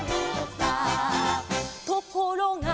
「ところが」